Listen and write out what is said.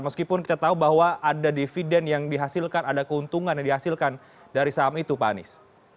meskipun kita tahu bahwa ada dividen yang dihasilkan ada keuntungan yang dihasilkan dari saham itu pak anies